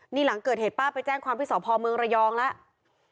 นี่หลังเกิดเหตุป้าไปแจ้งความที่สพเมืองระยองแล้ว